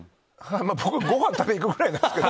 僕はごはん食べに行くぐらいなんですけど。